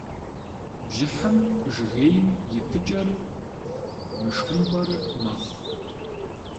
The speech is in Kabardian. Бжьыхьэм жыгейм и пыкӏэр, мышхумпӏэр, мэхъу.